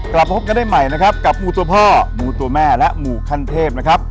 กลับพบกันได้ใหม่นะครับกับงูตัวพ่อหมูตัวแม่และหมูขั้นเทพนะครับ